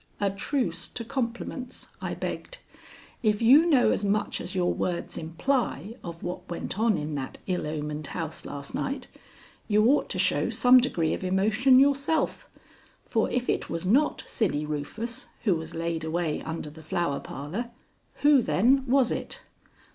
"A truce to compliments," I begged. "If you know as much as your words imply of what went on in that ill omened house last night, you ought to show some degree of emotion yourself, for if it was not Silly Rufus who was laid away under the Flower Parlor, who, then, was it?